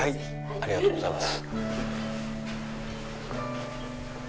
ありがとうございます。